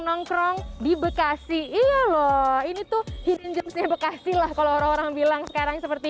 nongkrong di bekasi iya loh ini tuh hitden jamesnya bekasi lah kalau orang orang bilang sekarang seperti